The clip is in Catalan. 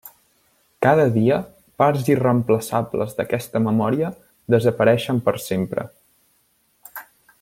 Cada dia parts irreemplaçables d'aquesta memòria desapareixen per sempre.